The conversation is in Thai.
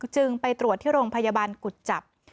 จึงไปตรวจที่โรงพยาบาลกุจจับ